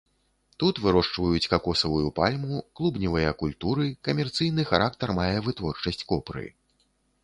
Тут вырошчваюць какосавую пальму, клубневыя культуры, камерцыйны характар мае вытворчасць копры.